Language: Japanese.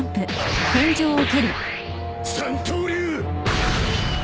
三刀流。